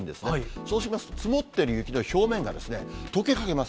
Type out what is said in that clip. そうしますと、積もってる雪の表面がですね、とけかけます。